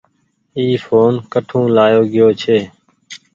اي ڦون ڪٺو لآيو گيو ڇي۔